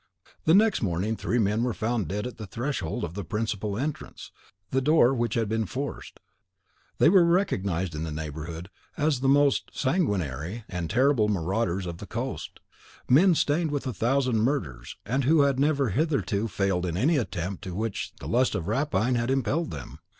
The next morning three men were found dead at the threshold of the principal entrance, the door of which had been forced. They were recognised in the neighbourhood as the most sanguinary and terrible marauders of the coasts, men stained with a thousand murders, and who had never hitherto failed in any attempt to which the lust of rapine had impelled them.